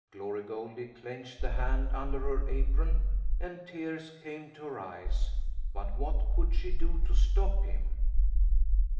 Glory Goldie clenched the hand under her apron, and tears came to her eyes; but what could she do to stop him?